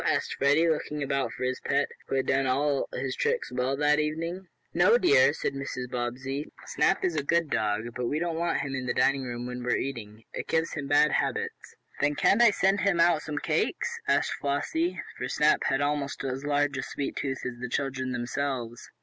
asked Freddie, looking about for his pet, who had done all his tricks well that evening. "No, dear," said Mrs. Bobbsey. "Snap is a good dog, but we don't want him in the dining room when we are eating. It gives him bad habits." "Then can't I send him out some cakes?" asked Flossie, for Snap had almost as large a "sweet tooth" as the children themselves.